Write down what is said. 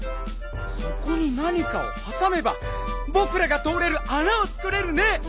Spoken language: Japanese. そこになにかをはさめばぼくらがとおれるあなをつくれるね！